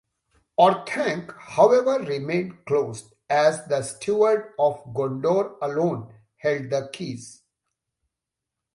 Orthanc however remained closed, as the Steward of Gondor alone held the keys.